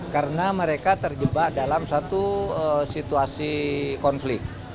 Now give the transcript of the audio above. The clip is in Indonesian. karena mereka terjebak dalam satu situasi konflik